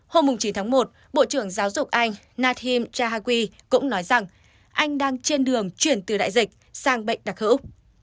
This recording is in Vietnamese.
hôm chín tháng một bộ trưởng giáo dục anh nathim jahaqi cũng nói rằng anh đang trên đường chuyển từ đại dịch sang bệnh đặc hữu